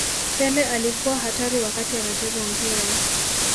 pele alikuwa hatari wakati anacheza mpira